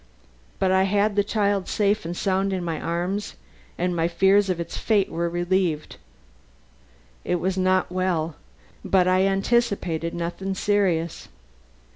But I had the child safe and sound in my arms, and my fears of its fate were relieved. It was not well, but I anticipated nothing serious.